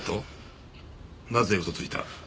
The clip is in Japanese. なぜ嘘をついた？